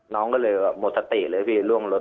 น้องก็เลยหมดสติเลยพี่ล่วงรถ